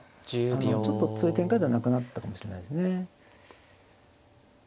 ちょっとそういう展開ではなくなったかもしれないですね。